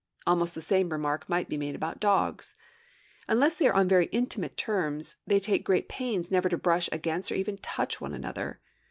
Almost the same remark might be made about dogs. Unless they are on very intimate terms, they take great pains never to brush against or even to touch one another.